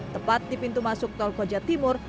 tepat di pintu masuk tol koja timur